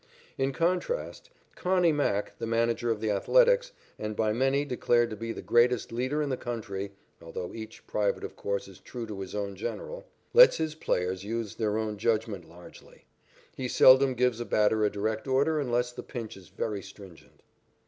In contrast, "Connie" Mack, the manager of the Athletics, and by many declared to be the greatest leader in the country (although each private, of course, is true to his own general), lets his players use their own judgment largely. He seldom gives a batter a direct order unless the pinch is very stringent.